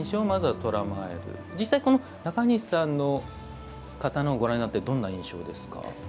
実際、中西さんの刀をご覧になってどんな印象ですか？